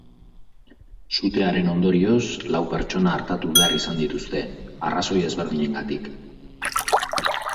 Sutearen ondorioz lau pertsona artatu behar izan dituzte, arrazoi ezberdinengatik.